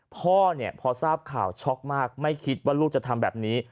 พ่อเนี่ยพอทราบข่าวช็อกมากไม่คิดว่าลูกจะทำแบบนี้